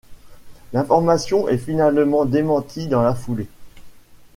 L'information est finalement démentie dans la foulée.